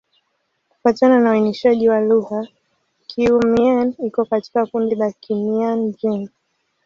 Kufuatana na uainishaji wa lugha, Kiiu-Mien iko katika kundi la Kimian-Jin.